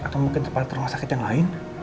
atau mungkin tempat rumah sakit yang lain